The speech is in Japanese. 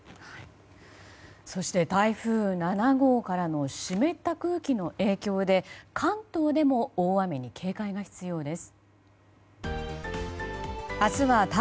そして台風７号からの湿った空気の影響で関東でも大雨に警戒が必要です。